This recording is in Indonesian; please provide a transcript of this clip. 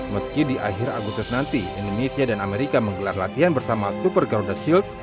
meski di akhir agustus nanti indonesia dan amerika menggelar latihan bersama super garuda shield